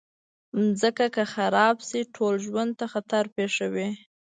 مځکه که خراب شي، ټول ژوند ته خطر پېښوي.